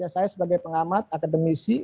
saya sebagai pengamat akademisi